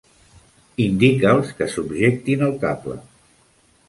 Indica'ls que subjectin el cable.